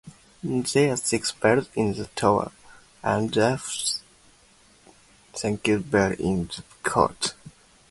There are six bells in the tower and a Sanctus Bell in the cote.